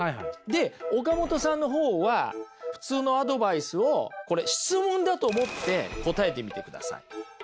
で岡本さんの方は普通のアドバイスをこれ質問だと思って答えてみてください。